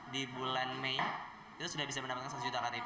di bulan mei itu sudah bisa mendapatkan seratus juta ktp